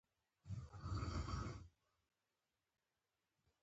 د خپلو عملونو سره د خلکو ترمنځ د احترام او امانت دارۍ شهرت جوړول.